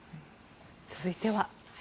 続いては。